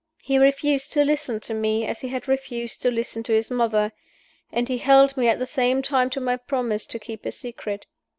He refused to listen to me, as he had refused to listen to his mother; and he held me at the same time to my promise to keep his secret.